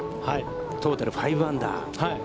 トータル５アンダー。